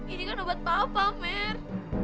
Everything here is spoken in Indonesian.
ini kan obat papa mer